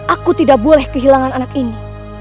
aku tidak boleh kehilangan anak ini